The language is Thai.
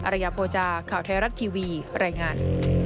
ระยะโภจาข่าวไทยรัฐทีวีรายงาน